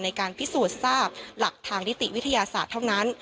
ในการพิสูจน์ทราบหลักทางนิติวิทยาศาสตร์เท่านั้น